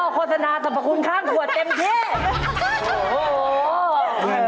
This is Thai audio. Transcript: พ่อโฆษณาสรรพคุณค่างขัวเต็มเท่